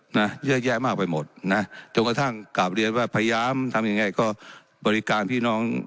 นะเยอะแยะมากไปหมดนะจนกระทั่งกลับเรียนว่าพยายามทำยังไงก็บริการพี่น้อง